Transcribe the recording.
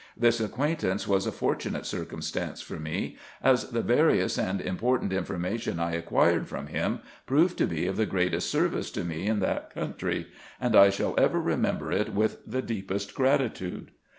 Tins acquaintance was a fortunate circumstance for me, as the various and important information I acquired from him proved to be of the greatest service to me in that country, and I shall ever remember it with the deepest gratitude.